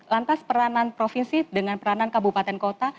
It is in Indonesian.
lantas peranan provinsi dengan peranan kabupaten kota